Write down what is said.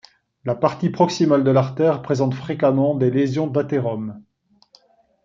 La partie proximale de l'artère présente fréquemment des lésions d'athérome.